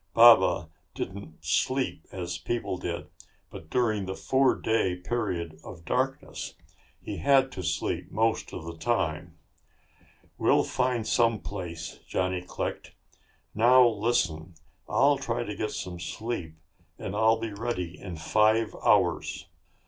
Baba didn't sleep as people did, but during the four day period of darkness he had to sleep most of the time. "We'll find some place," Johnny clicked. "Now, listen. I'll try to get some sleep and I'll be ready in five hours.